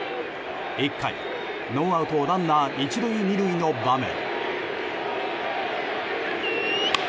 １回、ノーアウトランナー、１塁２塁の場面。